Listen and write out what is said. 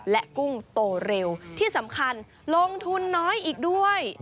และกุ้งโตเร็วที่สำคัญลงทุนน้อยอีกด้วย